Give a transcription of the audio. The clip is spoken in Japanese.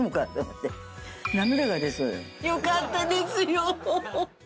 よかったですよ。